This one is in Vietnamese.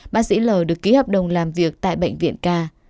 bác sĩ l được ký hợp đồng làm việc tại bệnh viện ca